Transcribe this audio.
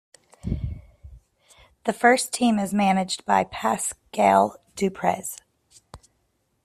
The first team is managed by Pascal Dupraz.